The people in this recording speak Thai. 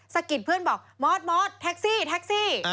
กิดเพื่อนบอกมอดมอสแท็กซี่แท็กซี่